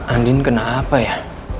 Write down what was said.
andin kena apa ya